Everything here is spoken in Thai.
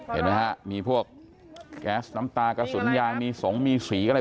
เห็นไหมฮะมีพวกแก๊สน้ำตากระสุนยางมีสงมีสีอะไร